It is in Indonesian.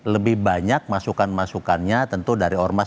lebih banyak masukan masukannya tentu dari ormas